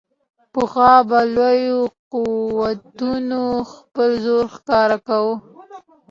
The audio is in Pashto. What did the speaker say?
پخوا به لویو قوتونو خپل زور ښکاره کاوه.